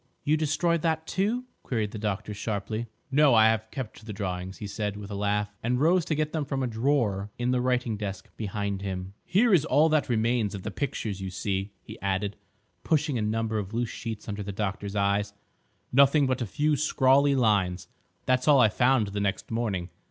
"You destroyed that, too?" queried the doctor sharply. "No; I have kept the drawings," he said, with a laugh, and rose to get them from a drawer in the writing desk behind him. "Here is all that remains of the pictures, you see," he added, pushing a number of loose sheets under the doctor's eyes; "nothing but a few scrawly lines. That's all I found the next morning.